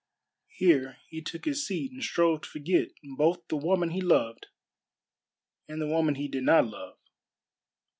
Here he took his seat and strove to forget both the woman he loved and the woman he did not love.